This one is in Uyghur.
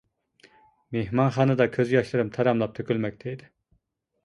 مېھمانخانىدا كۆز ياشلىرىم تاراملاپ تۆكۈلمەكتە ئىدى.